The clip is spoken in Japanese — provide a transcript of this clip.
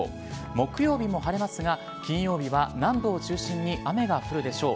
木曜日も晴れますが、金曜日は南部を中心に雨が降るでしょう。